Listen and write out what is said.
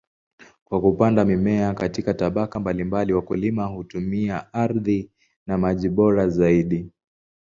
Kwa kupanda mimea katika tabaka mbalimbali, wakulima hutumia ardhi na maji bora zaidi.